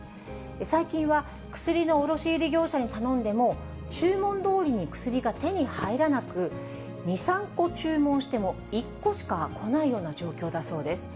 最近は、薬の卸売り業者にも頼んでも、注文どおりに薬が手に入らなく、２、３個注文しても１個しか来ないような状況だそうです。